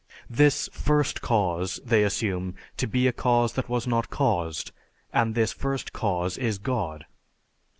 This First Cause they assume to be a cause that was not caused and this First Cause is God.